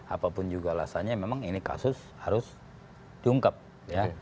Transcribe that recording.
apapun juga alasannya memang ini kasus harus diungkap ya